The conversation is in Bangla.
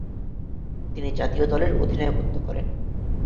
তিনি জাতীয় দলের অধিনায়কত্ব করেন।